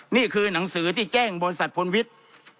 นี่คือหนังสือที่แจ้งบริษัทพลวิทย์